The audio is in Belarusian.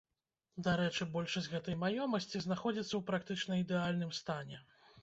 Дарэчы, большасць гэтай маёмасці знаходзіцца ў практычна ідэальным стане.